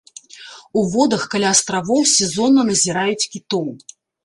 У водах каля астравоў сезонна назіраюць кітоў.